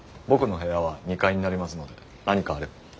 僕の部屋は２階になりますので何かあれば。